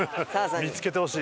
見つけてほしい。